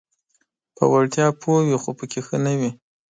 په وړتیا پوه وي خو پکې ښه نه وي: